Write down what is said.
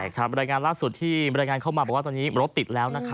รายงานล่าสุดที่บรรยายงานเข้ามาบอกว่าตอนนี้รถติดแล้ว